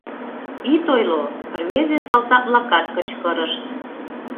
Ит ойло! — рвезе салтак-влакат кычкырышт.